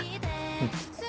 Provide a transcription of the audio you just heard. うん。